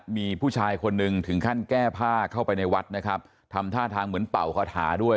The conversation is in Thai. มีผู้ชายคนหนึ่งถึงขั้นแก้ผ้าเข้าไปในวัดนะครับทำท่าทางเหมือนเป่าคาถาด้วย